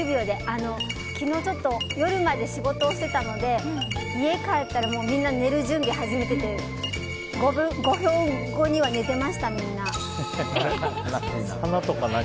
昨日ちょっと夜まで仕事をしていたので家帰ったらみんな寝る準備始めてて５分後には寝ていました、みんな。